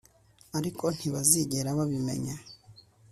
ariko ntibazigera babimenya